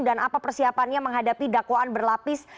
dan apa persiapannya menghadapi dakwaan berlapis